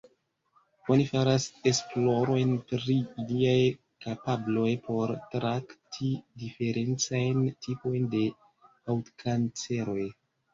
Oni faras esplorojn pri iliaj kapabloj por trakti diferencajn tipojn de haŭtkanceroj.